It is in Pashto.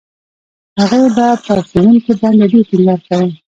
هغې به په ښوونکو باندې ډېر ټينګار کاوه.